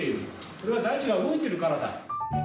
それは大地が動いているからだ。